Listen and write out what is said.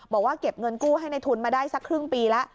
บอกว่าเก็บเงินกู้ให้ในทุนมาได้สักครึ่งปีแล้ว